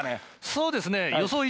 そうですね。